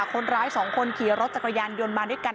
คนร้ายสองคนขี่รถจักรยานยนต์มาด้วยกัน